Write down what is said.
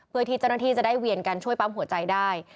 เพื่อที่เจ้าหน้าที่จะได้เวียนกันช่วยปั๊มหัวใจได้